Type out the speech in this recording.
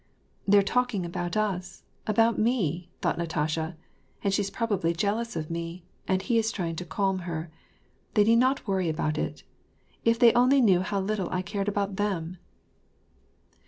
" They are talking about us, — about me," thought Katasha, "and she's probably jealous of me, and he is trying to calm her. They need not worry about it. If they only knew how little I cared about them